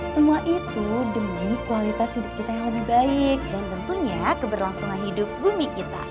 semua itu demi kualitas hidup kita yang lebih baik dan tentunya keberlangsungan hidup bumi kita